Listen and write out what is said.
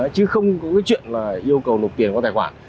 chứ không có chuyện yêu cầu nộp tiền vào tài khoản